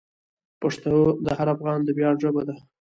پښتو د هر افغان د ویاړ ژبه ده.